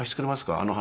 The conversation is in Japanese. あの話」。